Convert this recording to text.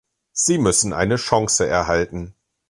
Sie müssen eine Chance erhalten.